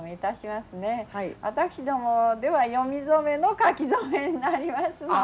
私どもでは詠み初めの書き初めになりますので。